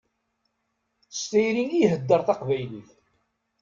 S tayri i iheddeṛ taqbaylit.